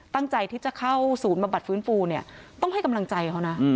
ตั้งใจที่จะเข้าศูนย์บำบัดฟื้นฟูเนี่ยต้องให้กำลังใจเขานะ